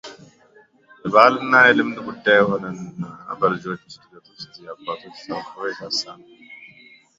የባሕል እና የልምድ ጉዳይ ሆነና በልጆች ዕድገት ውስጥ የአባቶች ተሳትፎ የሳሳ ነው።